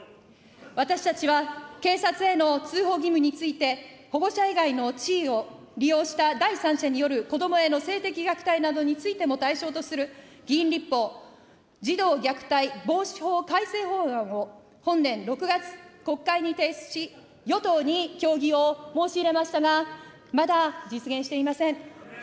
私たちは警察への通報義務について、保護者以外の地位を利用した第三者による子どもへの性的虐待などについても対象とする議員立法、児童虐待防止法改正法案を本年６月、国会に提出し、与党に協議を申し入れましたが、まだ実現していません。